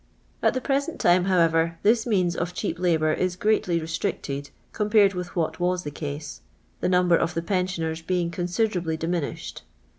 At the present time, however, this means of cheap labour is greatly restricted, compared with what was the case, the number of the pensioners being considerably diminished.